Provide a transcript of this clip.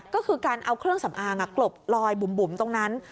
ก็คือการเอาเครื่องสำอางกลบลอยบุ๋มตรงนั้น